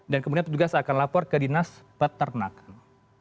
dan kemudian petugas akan lapor ke dinas peternakan